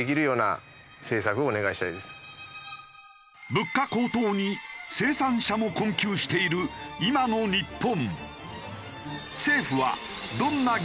物価高騰に生産者も困窮している今の日本。